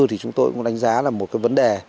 thì chúng tôi cũng đánh giá là một cái vấn đề